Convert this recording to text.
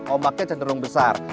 ombaknya cenderung besar